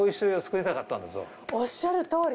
おっしゃるとおり。